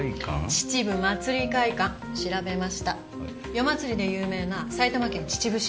夜祭りで有名な埼玉県秩父市。